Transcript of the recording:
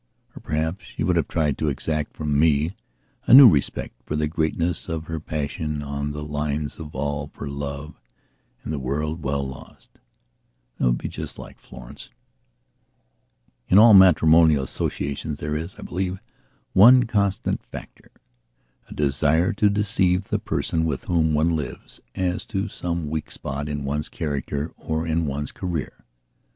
Or perhaps she would have tried to exact from me a new respect for the greatness of her passion on the lines of all for love and the world well lost. That would be just like Florence. In all matrimonial associations there is, I believe, one constant factora desire to deceive the person with whom one lives as to some weak spot in one's character or in one's career.